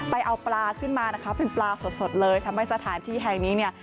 ไปเอาปลาขึ้นมานะคะเป็นปลาสดเลยทำให้สถานที่แห่งนี้เนี่ย